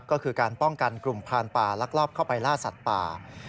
ก็คือการป้องกันกลุ่มพานป่าลักลอบเข้าไปล่าสัตว์ป่า